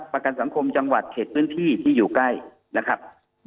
ประกันสังคมจังหวัดเขตพื้นที่ที่อยู่ใกล้นะครับ